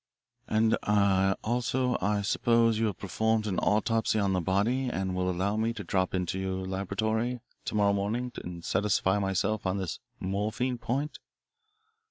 "And also I suppose you have performed an autopsy on the body and will allow me to drop into your laboratory to morrow morning and satisfy myself on this morphine point?"